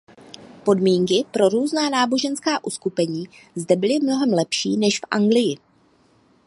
Podmínky pro různá náboženská uskupení zde byly mnohem lepší než v Anglii.